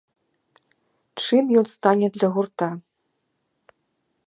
Чым ён стане для гурта?